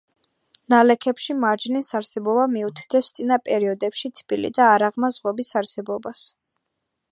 ნალექებში მარჯნის არსებობა მიუთითებს წინა პერიოდებში თბილი და არაღრმა ზღვების არსებობას.